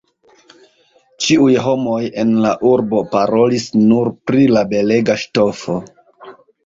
Ĉiuj homoj en la urbo parolis nur pri la belega ŝtofo.